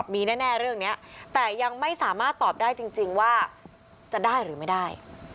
มีแน่เรื่องนี้แต่ยังไม่สามารถตอบได้จริงว่าจะได้หรือไม่ได้